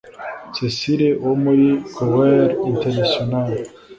Cecile wo muri Choeur Internationale